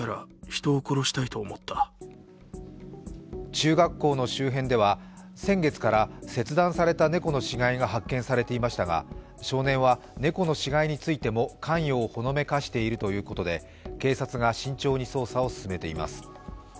中学校の周辺では先月から切断された猫の死骸が発見されていましたが少年は猫の死骸についても関与をほのめかしているということで警察が慎重に捜査を進めています。